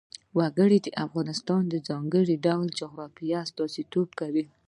وګړي د افغانستان د ځانګړي ډول جغرافیه استازیتوب کوي.